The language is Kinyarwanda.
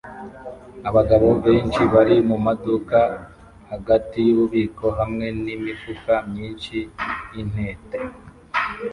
Abagabo benshi bari mumaduka hagati yububiko hamwe n imifuka myinshi yintete